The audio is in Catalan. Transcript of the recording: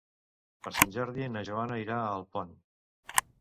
Per Sant Jordi na Joana irà a Alpont.